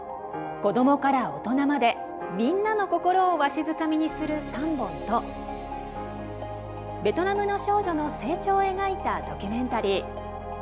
子どもから大人までみんなの心をわしづかみにする３本とベトナムの少女の成長を描いたドキュメンタリー。